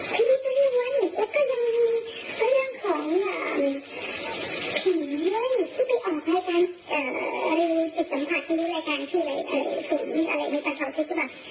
ทีนี้ก็เรียกว่านี่แล้วก็ยังมีเรื่องของผีเยอะอีกที่ไปออกรายการรีวิวจิตสัมผัสรายการที่อะไรสูงอะไรมีการเขาที่แบบ